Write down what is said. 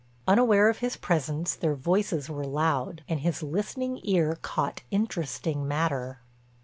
Unaware of his presence their voices were loud and his listening ear caught interesting matter.